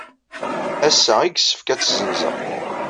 Ass-a ay yessefk ad tt-ssenzeɣ.